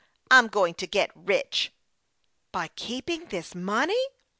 I'm going to get rich." " By keeping this money